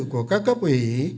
của các cấp ủy